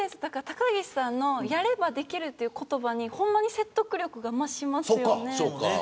高岸さんのやればできるという言葉にほんまに説得力が増しますよね。